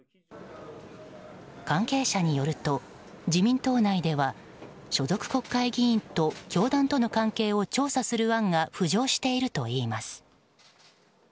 関係者によると自民党内では、所属国会議員と教団との関係を調査する案が浮上しているといいます。